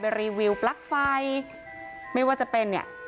มีแต่เสียงตุ๊กแก่กลางคืนไม่กล้าเข้าห้องน้ำด้วยซ้ำ